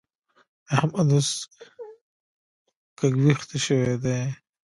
احمد اوس ګږوېښتی شوی دی.